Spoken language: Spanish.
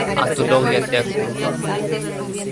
Антологија текстова.